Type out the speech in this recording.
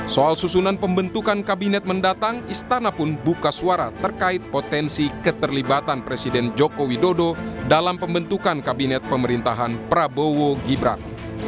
soal susunan pembentukan kabinet mendatang istana pun buka suara terkait potensi keterlibatan presiden joko widodo dalam pembentukan kabinet pemerintahan prabowo gibran